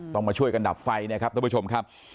มาช่วยกันดับไฟนะครับท่านผู้ชมครับ